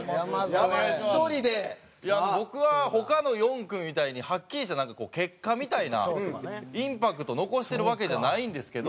僕は他の４組みたいにはっきりしたなんかこう結果みたいなインパクト残してるわけじゃないんですけど。